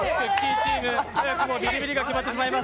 チーム早くもビリビリが決まってしまいます。